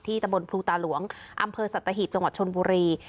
ที่ตะบนภูตาหลวงอำเภอสัตว์ตะหิตจังหวัดชนบุรี